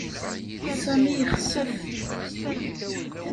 Sami yexsef.